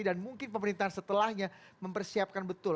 dan mungkin pemerintahan setelahnya mempersiapkan betul